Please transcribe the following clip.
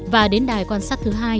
và đến đài quan sát thứ hai